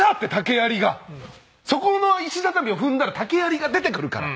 そこの石畳を踏んだら竹やりが出てくるから。